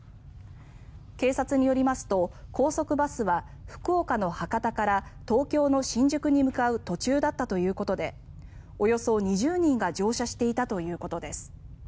警察によりますと高速バスは福岡の博多から東京の新宿に向かう途中だったということでおよそ２０人が乗車していたということです。